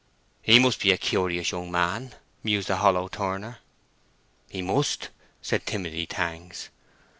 "He must be a curious young man," mused the hollow turner. "He must," said Timothy Tangs.